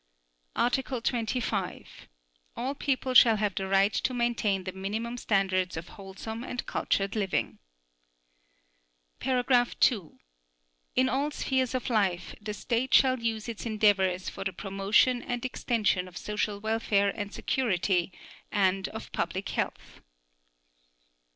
Article 25. All people shall have the right to maintain the minimum standards of wholesome and cultured living. (2) In all spheres of life, the State shall use its endeavors for the promotion and extension of social welfare and security, and of public health.